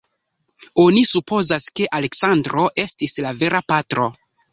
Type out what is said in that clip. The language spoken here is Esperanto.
Oni supozas, ke Aleksandro estis la vera patro.